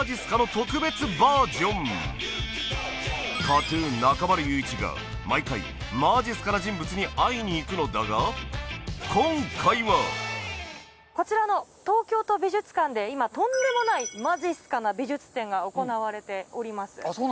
そう今回はＫＡＴ−ＴＵＮ中丸雄一が毎回まじっすかな人物に会いに行くのだが今回はこちらの東京都美術館で今とんでもないまじっすかな美術展が行われております。